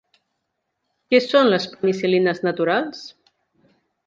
Què són les penicil·lines naturals?